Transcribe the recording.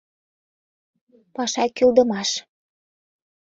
Паша кӱлдымаш...